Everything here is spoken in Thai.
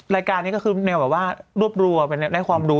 รายการนี้ก็คือแนวแบบว่ารวบรวมได้ความรู้